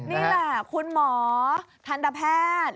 นี่แหละคุณหมอทันตแพทย์